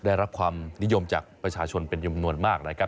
ได้รับความนิยมจากประชาชนเป็นจำนวนมากนะครับ